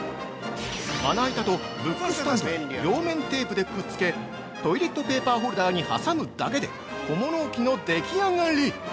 ◆まな板とブックスタンドを両面テープでくっつけ、トイレットペーパーホルダーに挟むだけで小物置きのでき上がり！